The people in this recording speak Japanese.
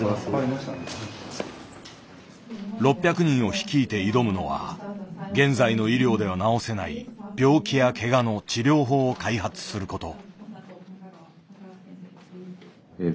６００人を率いて挑むのは現在の医療では治せない病気やけがの治療法を開発する事。